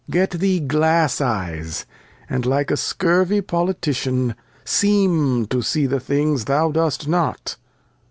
Get thee glass Eyes, and like a scurvy Politician, seem to see the Things thou dost not.